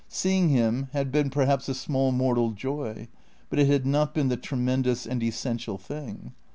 Seeing him had been perhaps a small mortal joy; but it had not been the tremendous and essential thing.